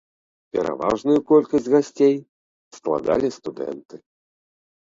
Пераважную колькасць гасцей складалі студэнты.